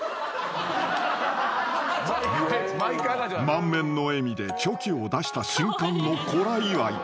［満面の笑みでチョキを出した瞬間のコラ祝い］